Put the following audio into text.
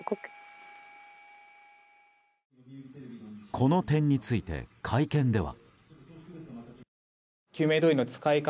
この点について会見では。